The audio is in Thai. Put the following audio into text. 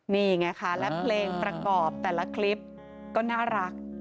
นี่ไงคะและเพลงประกอบแต่ละคลิปก็น่ารัก